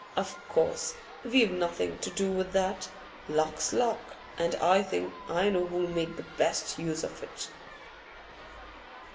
Of course, we've nothing to do with that. Luck's luck, and I think I know who'll make best use of it.